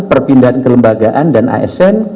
perpindahan kelembagaan dan asn